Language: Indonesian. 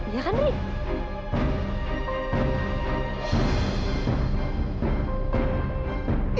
iya kan ibu